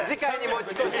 持ち越し！